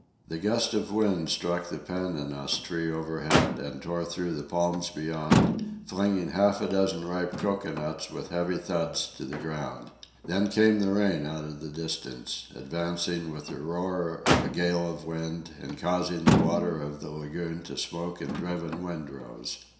The gust of wind struck the pandanus tree overhead and tore through the palms beyond, flinging half a dozen ripe cocoanuts with heavy thuds to the ground. Then came the rain out of the distance, advancing with the roar of a gale of wind and causing the water of the lagoon to smoke in driven windrows.